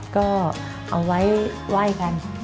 ก็เอาไว้ไหว้กัน